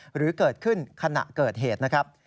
หรือเกิดขึ้นขณะเกิดเหตุนะครับ